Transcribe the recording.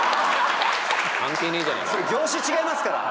それ業種違いますから！